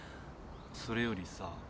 それよりさ。